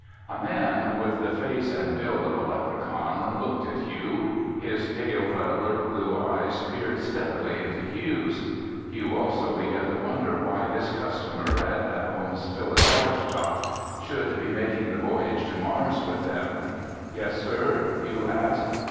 A man with the face and build of a leprechaun looked at Hugh. His pale but alert blue eyes peered steadily into Hugh's. Hugh also began to wonder why this customer at Davone's Philatelic Shop should be making the voyage to Mars with them. "Yes, sir?" Hugh asked.